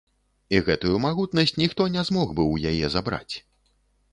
І гэтую магутнасць ніхто не змог бы ў яе забраць.